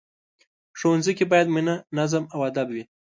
ښوونځی کې باید مینه، نظم او ادب وي